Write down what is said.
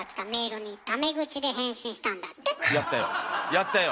やったよ。